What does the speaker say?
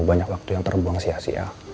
banyak waktu yang terbuang sia sia